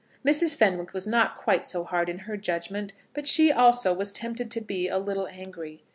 Mrs. Fenwick was not quite so hard in her judgment, but she also was tempted to be a little angry.